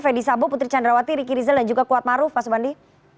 fedy sambo putri candrawati riki rizal dan juga kuat maruf pak sobandi